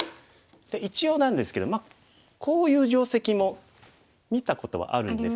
一応なんですけどまあこういう定石も見たことはあるんです。